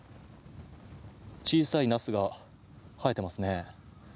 小さいナスが生えてますね。